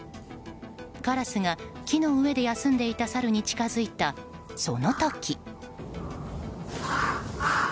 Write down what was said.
カラスが、木の上で休んでいたサルに近づいたその時。